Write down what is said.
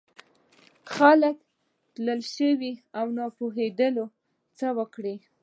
خلک تلولي شول او نه پوهېدل چې څه وکړي.